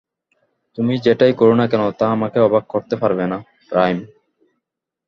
তুমি যেটাই করো না কেন তা আমাকে অবাক করতে পারবে না, রাইম।